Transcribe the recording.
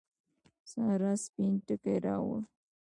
سارا سپين ټکی راووړ.